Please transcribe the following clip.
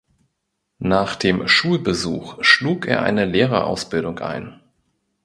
Nach dem Schulbesuch schlug er eine Lehrerausbildung ein.